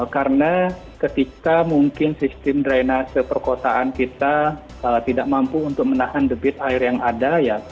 karena ketika mungkin sistem drainase perkotaan kita tidak mampu untuk menahan debit air yang ada